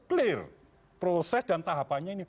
clear proses dan tahapannya ini